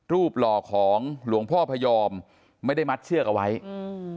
หล่อของหลวงพ่อพยอมไม่ได้มัดเชือกเอาไว้อืม